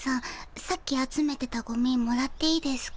さっき集めてたゴミもらっていいですか？